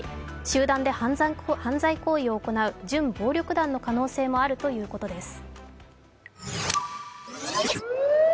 集団で犯罪行為を行う準暴力団の可能性もあるということです。